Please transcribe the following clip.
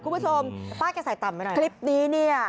คุณผู้ชมป้าแกใส่ตามไปหน่อยนะ